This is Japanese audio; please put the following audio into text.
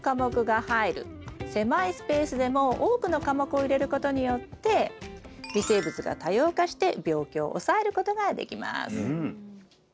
狭いスペースでも多くの科目を入れることによって微生物が多様化して病気を抑えることができます。